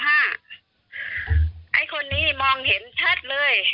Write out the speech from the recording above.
ไอ้คนนี้มองเห็นชัดเลย